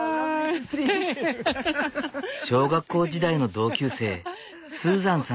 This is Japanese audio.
小学校時代の同級生スーザンさんとの再会。